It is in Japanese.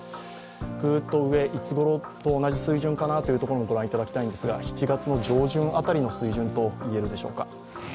ぐーっと上いつごろと同じ水準かなというところも御覧いただきたいんですが、７月上旬辺りの水準といえるでしょうか。